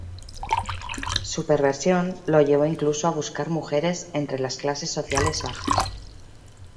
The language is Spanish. Su perversión lo llevó incluso a buscar mujeres entre las clases sociales bajas.